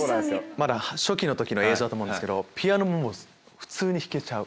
まだ初期の時の映像だと思うんですけどピアノももう普通に弾けちゃう。